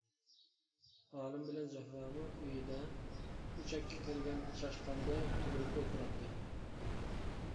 ئالىم بىلەن زۆھرەمۇ ئۆيىدە ئۈچەككە كىرگەن چاشقاندەك تۈگۈلۈپ ئولتۇراتتى.